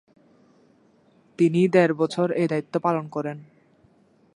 তিনি দেড় বছর এই দায়িত্ব পালন করেন।